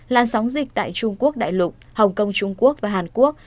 làn sóng dịch tại trung quốc đại lục hồng kông trung quốc và hàn quốc